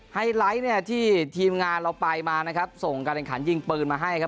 ไฮไลท์เนี่ยที่ทีมงานเราไปมานะครับส่งการแข่งขันยิงปืนมาให้ครับ